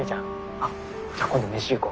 あっじゃあ今度飯行こう。